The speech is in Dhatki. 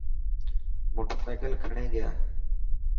موٽر سائيڪل کڻي گيا.